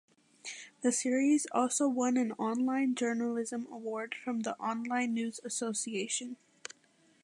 The series also won an Online Journalism Award from the Online News Association.